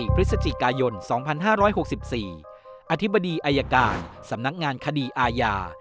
พฤศจิกายน๒๕๖๔อธิบดีอายการสำนักงานคดีอาญา